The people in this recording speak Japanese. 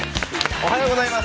おはようございます。